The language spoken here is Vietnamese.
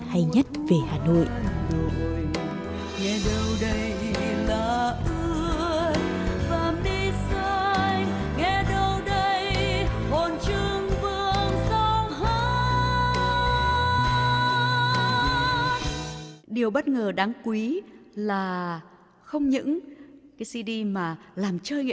hay nhất về hà nội